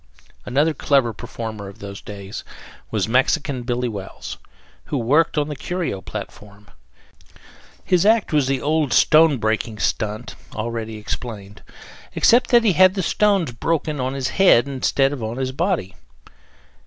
Another clever performer of those days was Mexican Billy Wells, who worked on the Curio platform. His act was the old stone breaking stunt, already explained, except that he had the stones broken on his head instead of on his body.